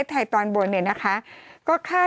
จำกัดจำนวนได้ไม่เกิน๕๐๐คนนะคะ